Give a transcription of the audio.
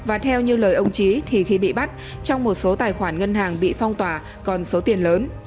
và theo như lời ông trí thì khi bị bắt trong một số tài khoản ngân hàng bị phong tỏa còn số tiền lớn